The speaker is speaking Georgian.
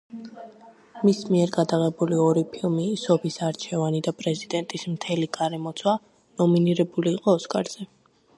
მის მიერ გადაღებული ორი ფილმი: „სოფის არჩევანი“ და „პრეზიდენტის მთელი გარემოცვა“ ნომინირებული იყო ოსკარზე.